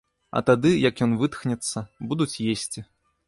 А тады, як ён вытхнецца, будуць есці.